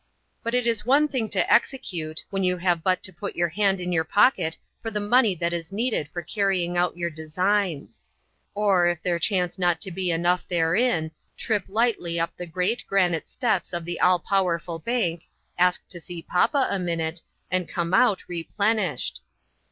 But it is one thing to execute, when you have but to put your hand in your pocket for the money that is needed for carrying out your designs ; or, if there chance not to be enough therein, trip lightly up the great, OUT IN THE WORLD. 47 granite steps of the all powerful bank, ask to see "papa" a minute, and come out re plenished.